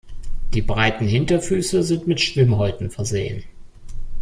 Die breiten Hinterfüße sind mit Schwimmhäuten versehen.